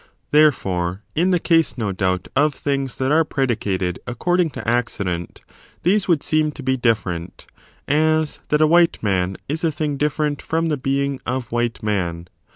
Therefore in the case, no doubt, of things that are predicated according to accident, these would seem to be different, as that a white man is a thing different from the being of white man.